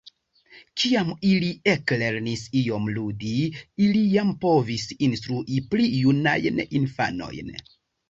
Kiam ili eklernis iom ludi, ili jam povas instrui pli junajn infanojn.